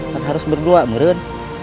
kan harus berdua meren